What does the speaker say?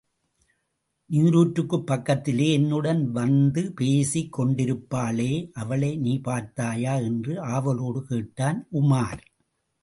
நீருற்றுக்குப் பக்கத்திலே என்னுடன் வந்து பேசிக் கொண்டிருப்பாளே அவளை நீ பார்த்தாயா? என்று ஆவலோடு கேட்டான், உமார்.